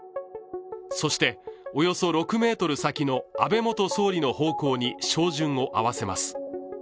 そして、およそ６ｍ先の安倍元総理の方向に照準を合わせます。